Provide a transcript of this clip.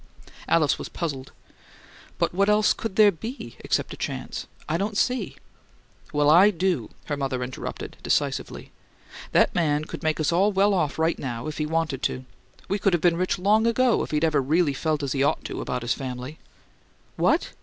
Alice was puzzled. "But what else could there be except a chance? I don't see " "Well, I do," her mother interrupted, decisively. "That man could make us all well off right now if he wanted to. We could have been rich long ago if he'd ever really felt as he ought to about his family." "What!